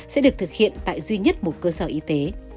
sẽ được thực hiện tại duy nhất một cơ sở y tế